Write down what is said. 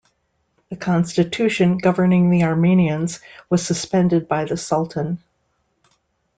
The constitution governing the Armenians was suspended by the Sultan.